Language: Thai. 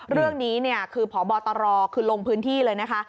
เรื่องนี้เนี่ยคือพบตรคือลงพื้นที่เลยนะคะ